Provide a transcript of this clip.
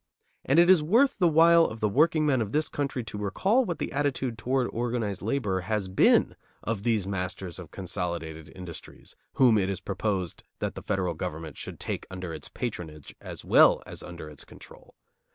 And it is worth the while of the workingmen of the country to recall what the attitude toward organized labor has been of these masters of consolidated industries whom it is proposed that the federal government should take under its patronage as well as under its control.